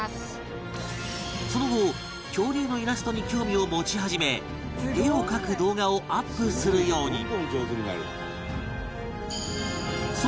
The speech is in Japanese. その後恐竜のイラストに興味を持ち始め絵を描く動画をアップするように